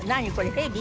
ヘビ？